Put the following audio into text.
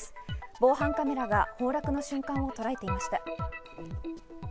防犯カメラが崩落の瞬間をとらえていました。